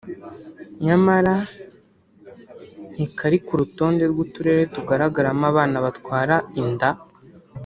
nyamara ntikari ku rutonde rw’uturere tugaragaramo abana batwara inda